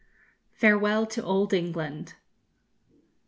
FAREWELL TO OLD ENGLAND.